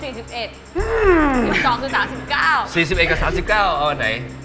๔๑กับ๓๙เอาไหน